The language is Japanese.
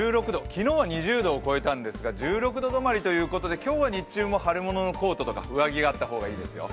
昨日は２０度を超えたんですが、１６度止まりということで、今日は、日中も春物のコートとか上着があった方がいいですよ。